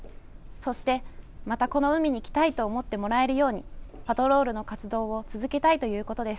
そして、またこの海に来たいと思ってもらえるようにパトロールの活動を続けたいということです。